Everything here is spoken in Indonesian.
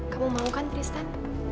kamu mau kan tristan